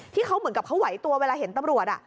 ที่เขาเหมือนกับเขาไหวตัวเวลาเห็นตำรวจ